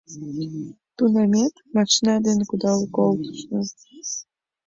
— Тунамет... машина дене кудал колтышна.